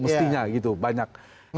mestinya gitu banyak